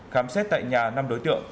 khám xét tại nhà năm đối tượng